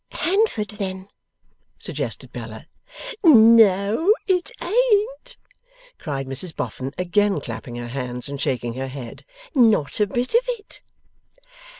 'Handford then,' suggested Bella. 'No, it ain't!' cried Mrs Boffin, again clapping her hands and shaking her head. 'Not a bit of it.